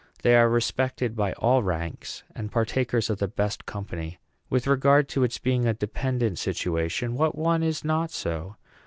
They are respected by all ranks, and partakers of the best company. With regard to its being a dependent situation, what one is not so?